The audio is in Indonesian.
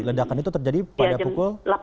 ledakan itu terjadi pada pukul